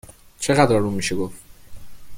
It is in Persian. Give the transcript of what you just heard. چه قدر آروم میشه گفت ؟